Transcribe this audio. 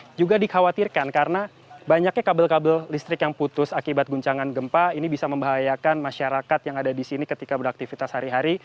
ini juga dikhawatirkan karena banyaknya kabel kabel listrik yang putus akibat guncangan gempa ini bisa membahayakan masyarakat yang ada di sini ketika beraktivitas hari hari